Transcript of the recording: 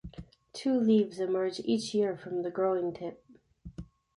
Two leaves emerge each year from the growing tip.